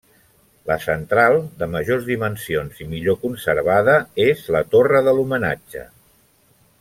La central, de majors dimensions i millor conservada, és la Torre de l'Homenatge.